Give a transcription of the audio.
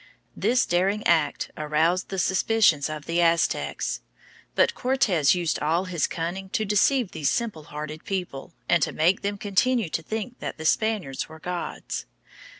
This daring act aroused the suspicions of the Aztecs. But Cortes used all his cunning to deceive these simple hearted people and to make them continue to think that the Spaniards were gods.